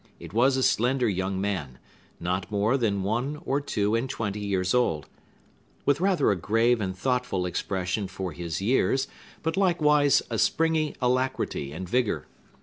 It was a slender young man, not more than one or two and twenty years old, with rather a grave and thoughtful expression for his years, but likewise a springy alacrity and vigor.